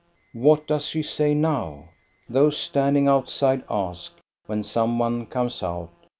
"What does she say now.?" those standing out side ask when some one comes out.